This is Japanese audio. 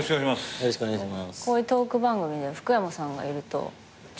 こういうトーク番組で福山さんがいると超安心。